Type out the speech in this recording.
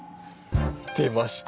出ました